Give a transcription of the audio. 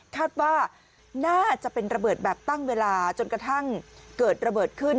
คาดว่าน่าจะเป็นระเบิดแบบตั้งเวลาจนกระทั่งเกิดระเบิดขึ้น